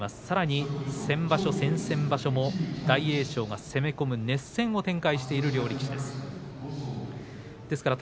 さらに先場所、先々場所も大栄翔が攻め込む熱戦を展開している両力士です。